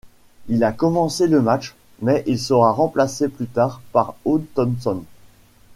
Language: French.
Il a commencé le match, mais il sera remplacé plus tard par Ode Thompson.